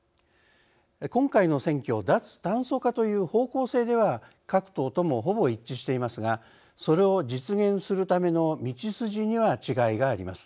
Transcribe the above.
今回の選挙脱炭素化という方向性では各党ともほぼ一致していますがそれを実現するための道筋には違いがあります。